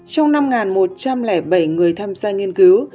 trong năm một trăm linh bảy người tham gia nghiên cứu